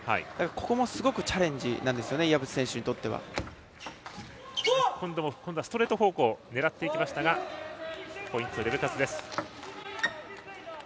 ここもすごくチャレンジなんですね岩渕選手にとっては。ストレート方向を狙っていきましたがポイント、レブ・カツです。